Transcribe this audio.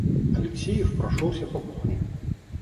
Алексеев прошёлся по кухне.